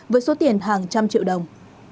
với số tiền hàng trăm triệu đồng